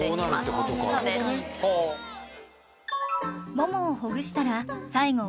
ももをほぐしたら最後はお尻